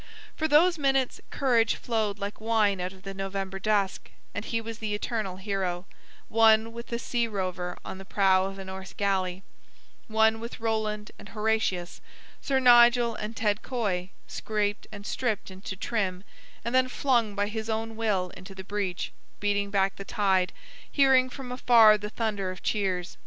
For those minutes courage flowed like wine out of the November dusk, and he was the eternal hero, one with the sea rover on the prow of a Norse galley, one with Roland and Horatius, Sir Nigel and Ted Coy, scraped and stripped into trim and then flung by his own will into the breach, beating back the tide, hearing from afar the thunder of cheers...